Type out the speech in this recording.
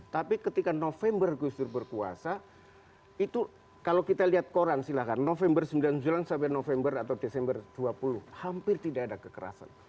tapi ketika november gus dur berkuasa itu kalau kita lihat koran silahkan november sembilan puluh sembilan sampai november atau desember dua puluh hampir tidak ada kekerasan